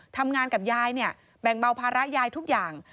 ทำงานกับยายเนี่ยแบ่งเบาภาระยายทุกอย่าง